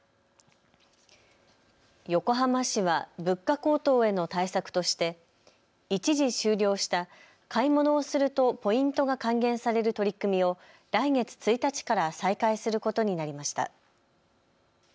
横浜市は物価高騰への対策として一時終了した買い物をするとポイントが還元される取り組みを来月１日から再開することになりました。